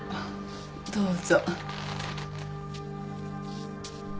どうぞ。